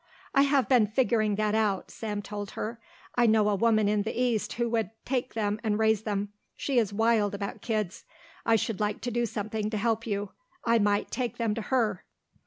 "I have been figuring that out," Sam told her. "I know a woman in the East who would take them and raise them. She is wild about kids. I should like to do something to help you. I might take them to her."